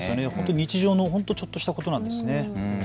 日常のほんと、ちょっとしたことなんですね。